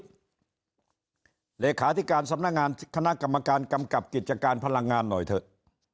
เลขาธิการสำนักงานคณะกรรมการกำกับกิจการพลังงานหน่อยเถอะ